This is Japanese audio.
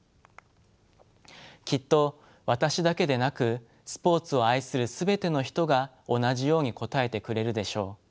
きっと私だけでなくスポーツを愛する全ての人が同じように答えてくれるでしょう。